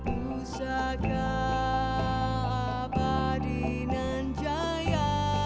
pusaka abadi nanjaya